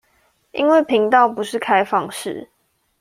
因為頻道不是開放式